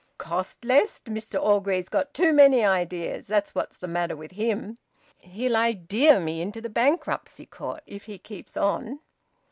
"Cost less! Mr Orgreave's got too many ideas that's what's the matter with him. He'll idea me into the bankruptcy court if he keeps on."